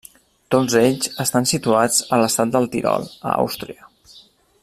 Tots ells estan situats a l'estat del Tirol, a Àustria.